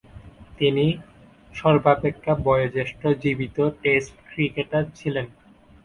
তিনি সর্বাপেক্ষা বয়োঃজ্যেষ্ঠ জীবিত টেস্ট ক্রিকেটার ছিলেন।